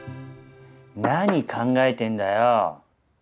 何考えてんだよ！